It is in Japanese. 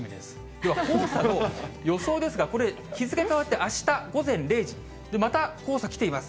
では黄砂の予想ですが、これ、日付変わって、あした午前０時、また黄砂来ています。